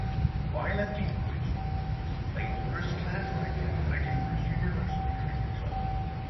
While at Cambridge, he played first-class cricket for the Cambridge University Cricket Club.